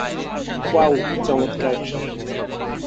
Wow, চমৎকার।